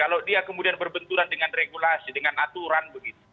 kalau dia kemudian berbenturan dengan regulasi dengan aturan begitu